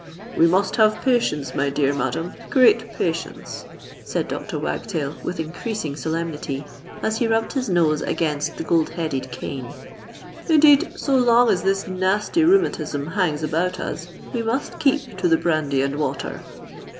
"We must have patience, my dear madam—great patience," said Dr. Wagtail with increasing solemnity, as he rubbed his nose against the gold headed cane. "Indeed, so long as this nasty rheumatism hangs about us, we must keep to the brandy and water."